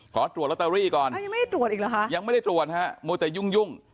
ขอตรวจลอตเตอรี่ก่อนยังไม่ได้ตรวจอีกเหรอคะยังไม่ได้ตรวจฮะมัวแต่ยุ่ง